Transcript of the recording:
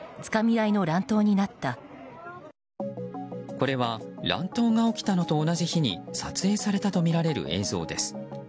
これは乱闘が起きたのと同じ日に撮影されたとみられる映像です。